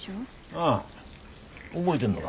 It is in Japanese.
ああ覚えでんのが。